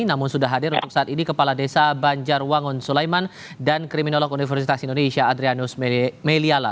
namun sudah hadir untuk saat ini kepala desa banjarwangun sulaiman dan kriminolog universitas indonesia adrianus meliala